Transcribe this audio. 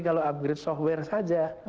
kalau upgrade software saja